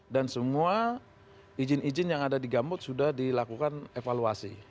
dan semua izin izin yang ada di gambut sudah dilakukan evaluasi